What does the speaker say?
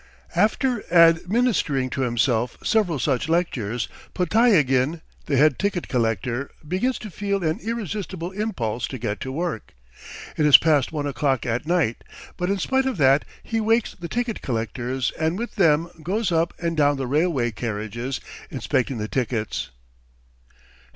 ..." After administering to himself several such lectures Podtyagin, the head ticket collector, begins to feel an irresistible impulse to get to work. It is past one o'clock at night, but in spite of that he wakes the ticket collectors and with them goes up and down the railway carriages, inspecting the tickets.